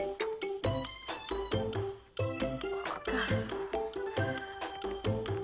ここかぁ。